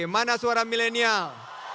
mana suara milenial